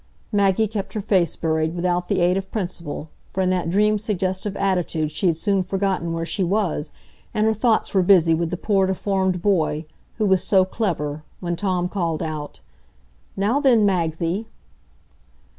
Maggie kept her face buried without the aid of principle, for in that dream suggestive attitude she had soon forgotten where she was, and her thoughts were busy with the poor deformed boy, who was so clever, when Tom called out, "Now then, Magsie!"